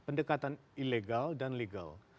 pendekatan ilegal dan legal